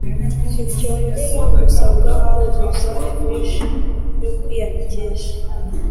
nticyongera gusabwa kuzuza ifishi yo kwiyandikisha.